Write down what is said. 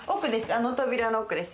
あの扉の奥です。